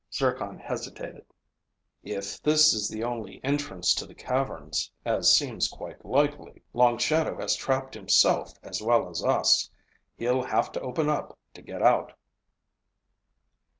Zircon hesitated. "If this is the only entrance to the caverns, as seems quite likely, Long Shadow has trapped himself as well as us. He'll have to open up to get out."